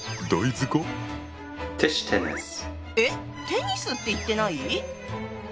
テニスって言ってない？